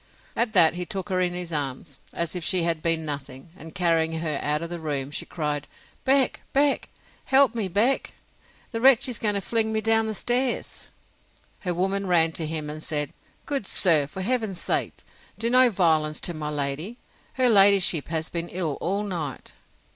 At that he took her in his arms, as if she had been nothing; and carrying her out of the room, she cried out, Beck! Beck! help me, Beck! the wretch is going to fling me down stairs! Her woman ran to him, and said, Good sir, for Heaven's sake do no violence to my lady! Her ladyship has been ill all night.